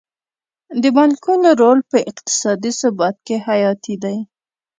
د بانکونو رول په اقتصادي ثبات کې حیاتي دی.